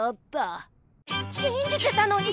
信じてたのに！